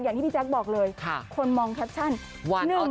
อย่างที่พี่แจ๊คบอกเลยคนมองแคปชั่นว่า